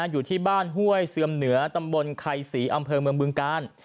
อยู่ที่บ้านห้วยเสื่อมเหนือตำบลไข่ศรีอำเภอเมืองบึงกาล